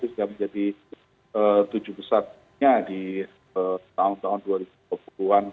itu sudah menjadi tujuh besarnya di tahun tahun dua ribu dua puluh an dua ribu tiga puluh ini